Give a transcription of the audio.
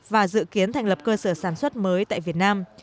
và dự kiến thành lập cơ sở sản xuất mới tại việt nam